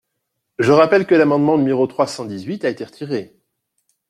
Je rappelle que l’amendement numéro trois cent dix-huit a été retiré.